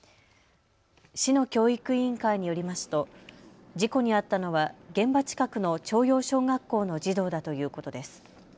市の教育委員会によりますと事故に遭ったのは現場近くの朝陽小学校の児童だということです。